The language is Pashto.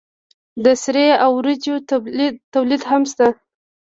د سرې او وریجو تولید هم شته.